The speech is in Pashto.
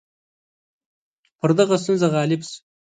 پر دغه ستونزه غالب شو.